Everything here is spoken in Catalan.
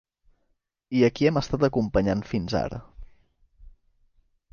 I a qui hem estat acompanyant fins ara.